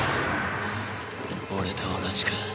俺と同じか。